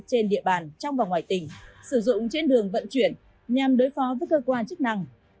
trên địa bàn trong và ngoài tỉnh sử dụng trên đường vận chuyển nhằm đối phó với cơ quan chức năng